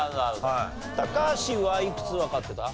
高橋はいくつわかってた？